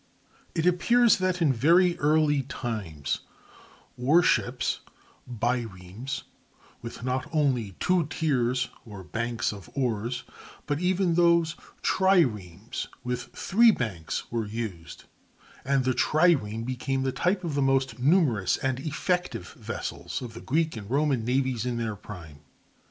It appears that in very early times war ships (biremes) with not only two tiers or banks of oars, but even those (triremes) with three banks, were used; and the trireme became the type of the most numerous and effective vessels of the Greek and Roman navies in their prime.